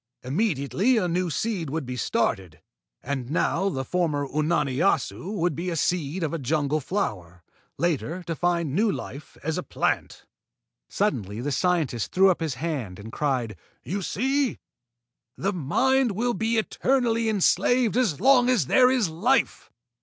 Immediately a new seed would be started. And now the former Unani Assu would be a seed of a jungle flower, later to find new life as a plant." Suddenly the scientist threw up his hand and cried: "You see? The Mind will be eternally enslaved as long as there is life!